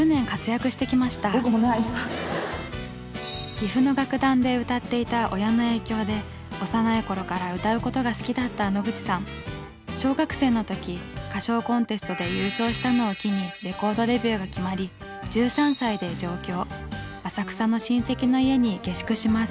岐阜の楽団で歌っていた親の影響で小学生の時歌唱コンテストで優勝したのを機にレコードデビューが決まり１３歳で上京。